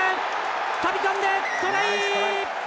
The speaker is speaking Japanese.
飛び込んで、トライ！